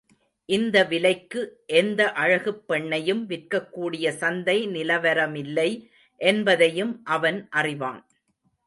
இந்த விலைக்கு எந்த அழகுப் பெண்ணையும் விற்கக்கூடிய சந்தை நிலவரமில்லை என்பதையும் அவன் அறிவான்.